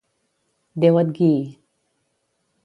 Déu et guiï.